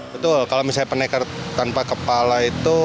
betul kalau misalnya pendekar tanpa kepala itu